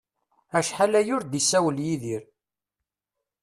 Acḥal aya ur d-isawel Yidir